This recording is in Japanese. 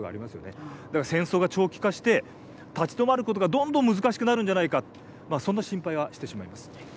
だから戦争が長期化して立ち止まることがどんどん難しくなるんじゃないかそんな心配はしてしまいます。